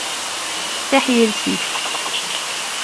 Qessiḥ yiles-is.